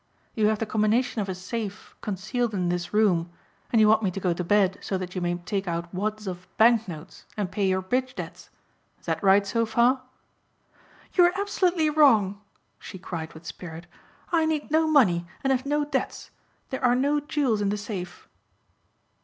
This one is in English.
You have the combination of a safe concealed in this room and you want me to go to bed so that you may take out wads of bank notes and pay your bridge debts. Is that right so far?" "You are absolutely wrong," she cried with spirit. "I need no money and have no debts. There are no jewels in the safe."